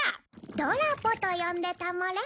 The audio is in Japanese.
ドラポと呼んでたもれ。